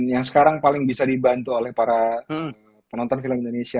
dan yang sekarang paling bisa dibantu oleh para penonton film indonesia